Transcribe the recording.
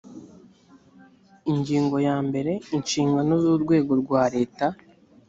ingingo ya mbere inshingano z urwego rwa leta